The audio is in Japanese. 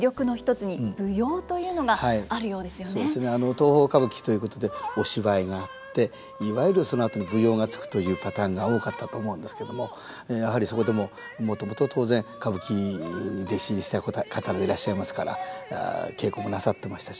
東宝歌舞伎ということでお芝居があっていわゆるそのあとに舞踊がつくというパターンが多かったと思うんですけどもやはりそこでももともと当然歌舞伎に弟子入りした方でいらっしゃいますから稽古もなさってましたし。